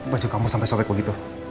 baju kamu sampai sore begitu